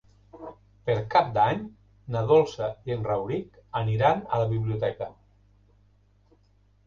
Per Cap d'Any na Dolça i en Rauric aniran a la biblioteca.